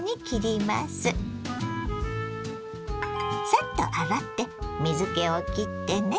サッと洗って水けをきってね。